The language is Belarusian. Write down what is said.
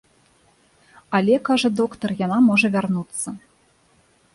Але, кажа доктар, яна можа вярнуцца.